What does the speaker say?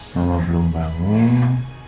mama belum bangun